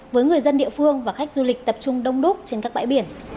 với người dân địa phương và khách du lịch tập trung đông đúc trên các bãi biển